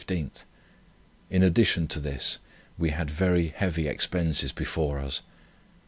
In addition to this, we had very heavy expenses before us.